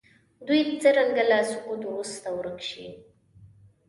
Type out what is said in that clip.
دوی څرنګه له سقوط وروسته ورک شي.